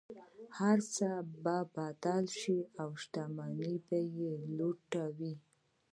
هر څه به بدلوي او شتمنۍ به یې لوټوي.